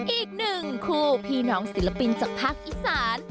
อีกหนึ่งคู่พี่น้องศิลปินจากภาคอีสาน